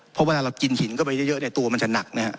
เพราะเวลาเรากินหินเข้าไปเยอะเนี่ยตัวมันจะหนักนะฮะ